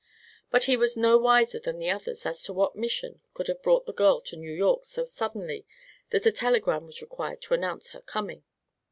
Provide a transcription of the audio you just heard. But he was no wiser than the others as to what mission could have brought the girl to New York so suddenly that a telegram was required to announce her coming.